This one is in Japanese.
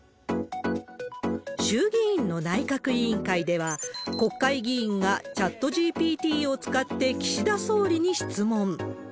衆議院の内閣委員会では、国会議員がチャットＧＰＴを使って岸田総理に質問。